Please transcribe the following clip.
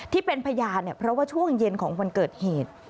ที่เป็นพยานเนี่ยเพราะว่าช่วงเย็นของวันเกิดเหตุ